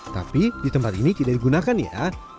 tapi di tempat ini tidak digunakan ya